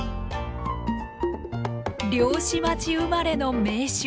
漁師町生まれの銘酒